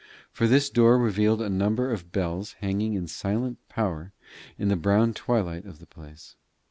For this door revealed a number of bells hanging in silent power in the brown twilight of the place.